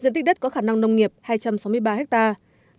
diện tích đất có khả năng nông nghiệp hai trăm sáu mươi ba hectare